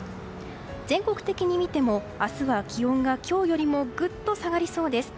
全国的に見ても明日は気温が今日よりもぐっと下がりそうです。